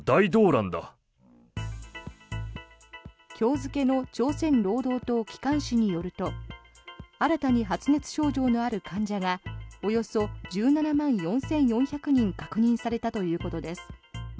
今日付の朝鮮労働党機関紙によると新たに発熱症状のある患者はおよそ１７万４４００人確認されたということです。